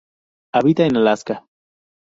Habita en Alaska.